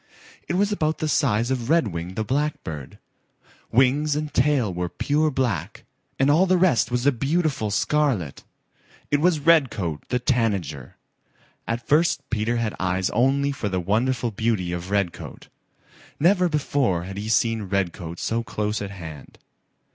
It was about the size of Redwing the Blackbird. Wings and tail were pure black and all the rest was a beautiful scarlet. It was Redcoat the Tanager. At first Peter had eyes only for the wonderful beauty of Redcoat. Never before had he seen Redcoat so close at hand.